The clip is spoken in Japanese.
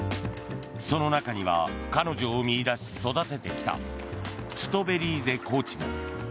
その中には、彼女を見いだし育ててきたトゥトベリーゼコーチも。